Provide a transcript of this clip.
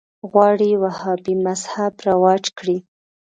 غواړي وهابي مذهب رواج کړي